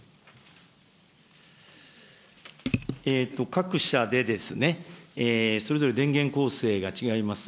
各社でそれぞれ電源構成が違います。